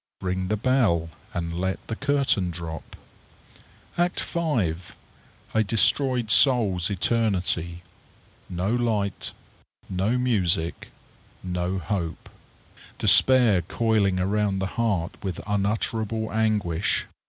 Ring the bell, and let the curtain drop_. ACT V. _A destroyed soul's eternity. No light; no music; no hope! Despair coiling around the heart with unutterable anguish.